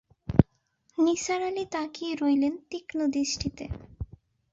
নিসার আলি তাকিয়ে রইলেন তীক্ষ্ণ দৃষ্টিতে।